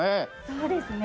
そうですね。